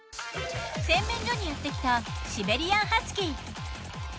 洗面所にやってきたシベリアン・ハスキー。